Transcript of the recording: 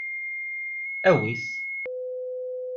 Awi-t.